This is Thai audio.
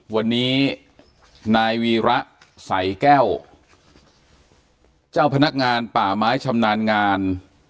วันนี้นายวีระสายแก้วเจ้าพนักงานป่าไม้ชำนาญงาน